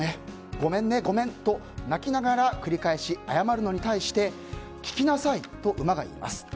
ごめんね、ごめんと泣きながら繰り返し謝るのに対して聞きなさいと馬が言います。